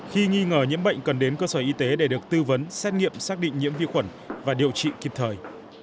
khi nghi ngờ nhiễm bệnh cần đến cơ sở y tế để được tư vấn xét nghiệm xác định nhiễm vi khuẩn và điều trị kịp thời